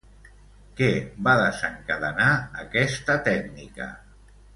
Què va desencadenar aquesta tècnica?